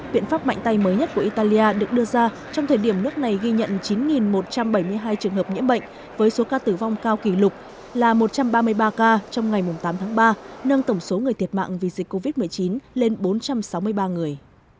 biện pháp mạnh tay mới nhất của italia được đưa ra trong thời điểm nước này ghi nhận chín một trăm bảy mươi hai trường hợp nhiễm bệnh với số ca tử vong cao kỷ lục là một trăm ba mươi ba ca trong ngày tám tháng ba nâng tổng số người thiệt mạng vì dịch covid một mươi chín lên bốn trăm sáu mươi ba người